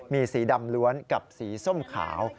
มีสีดำล้วนกับสีส้มขาว